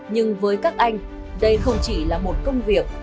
nhưng với các anh đây không chỉ là một công việc